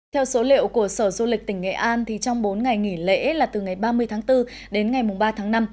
theo số liệu của sở du lịch tỉnh nghệ an trong bốn ngày nghỉ lễ là từ ngày ba mươi tháng bốn đến ngày ba tháng năm